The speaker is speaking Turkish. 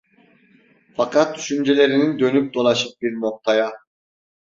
Fakat düşüncelerinin dönüp dolaşıp bir noktaya: